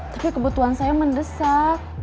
tapi kebutuhan saya mendesak